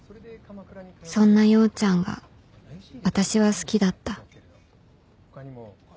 そんな陽ちゃんが私は好きだった